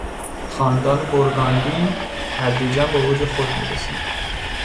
خاندان بور گاندی تدریجا به اوج خود میرسید.